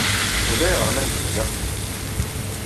Ulayɣer ma nkemmel axemmem.